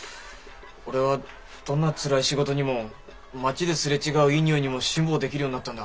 俺はどんなつらい仕事にも街ですれ違ういい匂いにも辛抱できるようになったんだ。